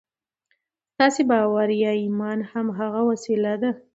ستاسې باور يا ايمان هماغه وسيله ده.